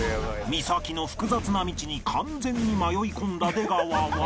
三崎の複雑な道に完全に迷い込んだ出川は